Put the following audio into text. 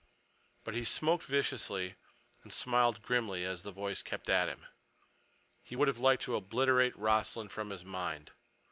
But he smoked viciously and smiled grimly as the voice kept at him. He would have liked to obliterate Rossland from his mind.